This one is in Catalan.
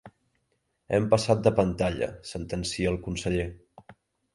Hem passat de pantalla —sentencia el Conseller.